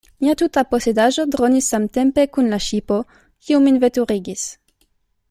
Mia tuta posedaĵo dronis samtempe kun la ŝipo, kiu min veturigis.